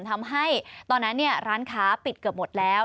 ทำให้ตอนนั้นร้านค้าปิดเกือบหมดแล้ว